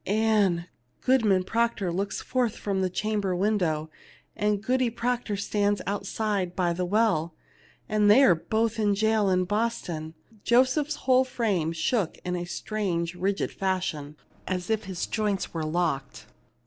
"Ann, Goodman Proctor looks forth from the chamber window, and Goody Proctor stands out side by the well, and they are both in jail in Bos 231 THE LITTLE MAID AT THE DOOR ton/* Joseph's whole frame shook in a strange rigid fashion, as if his joints were locked.